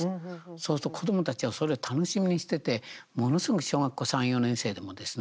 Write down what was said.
そうすると子どもたちはそれを楽しみにしててものすごく小学校３、４年生でもですね